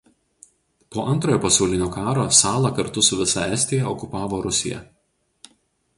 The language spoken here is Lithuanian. Po Antrojo pasaulinio karo salą kartu su visa Estija okupavo Rusija.